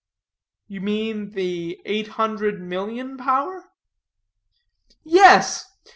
"You mean the eight hundred million power?" "Yes.